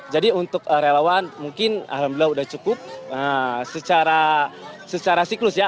jadi untuk relawan mungkin alhamdulillah sudah cukup secara siklus ya